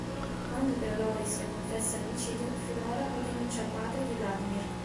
Quando però Loris le confessa l'omicidio, Fedora lo denuncia al padre di Vladimir.